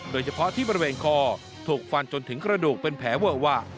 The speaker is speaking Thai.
โดยเฉพาะที่บริเวณคอถูกฟันจนถึงกระดูกเป็นแผลเวอะวะ